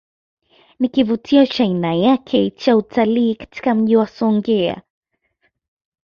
Ni kivutio cha aina yake cha utalii katika Mji wa Songea